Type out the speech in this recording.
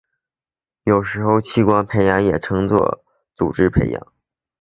有时候器官培养也称作组织培养。